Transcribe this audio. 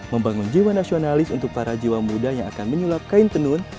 membangun jiwa nasionalis untuk para jiwa muda yang akan menyulap kain tenun